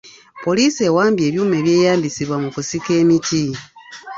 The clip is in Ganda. Poliisi ewambye ebyuma ebyeyambisibwa mu kusika emiti.